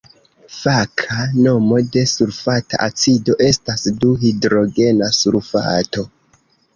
Faka nomo de sulfata acido estas du-hidrogena sulfato.